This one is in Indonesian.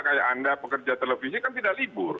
kayak anda pekerja televisi kan tidak libur